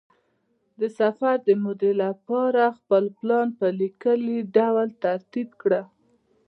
د سفر د مودې لپاره خپل پلان په لیکلي ډول ترتیب کړه.